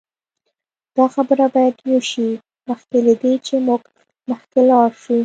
دا خبره باید وشي مخکې له دې چې موږ مخکې لاړ شو